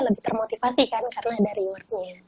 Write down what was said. lebih termotivasi kan karena ada rewardnya